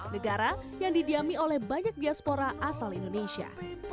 negara yang didiami oleh banyak diaspora asal indonesia